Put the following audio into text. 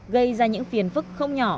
gây ra những phiền phức không nhỏ